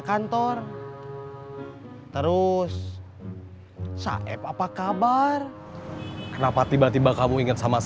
kita udah lancar dong kita nunggu joss